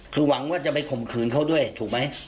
คือหวังว่าจะไปข่มขืนเขาด้วยถูกไหม